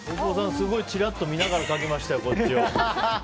すごい、ちらっと見ながら書きましたよ、こっちを。